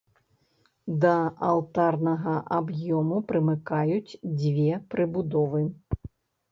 Да алтарнага аб'ёму прымыкаюць две прыбудовы.